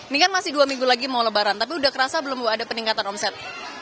ini kan masih dua minggu lagi mau lebaran tapi udah kerasa belum ada peningkatan omset